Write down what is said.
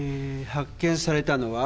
発見されたのは？